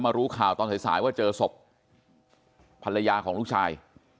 รู้ข่าวตอนสายสายว่าเจอศพภรรยาของลูกชาย